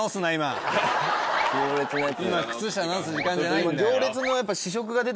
今靴下直す時間じゃないんだよ。